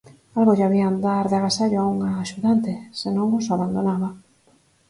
Algo lle habían dar de agasallo a un axudante, se non os abandonaba.